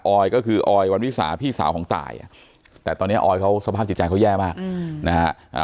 อยก็คือออยวันวิสาพี่สาวของตายแต่ตอนนี้ออยเขาสภาพจิตใจเขาแย่มากนะฮะ